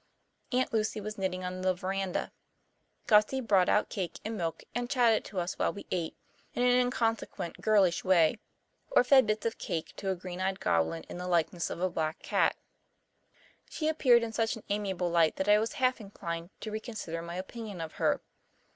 Aunt Lucy was knitting on the verandah. Gussie brought out cake and milk and chatted to us while we ate, in an inconsequent girlish way, or fed bits of cake to a green eyed goblin in the likeness of a black cat. She appeared in such an amiable light that I was half inclined to reconsider my opinion of her.